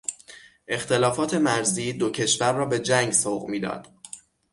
اختلافات مرزی، دو کشور را به جنگ سوق میداد.